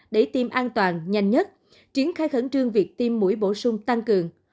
để tiêm an toàn nhanh nhất triển khai khẩn trương việc tiêm mũi bổ sung tăng cường